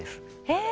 え。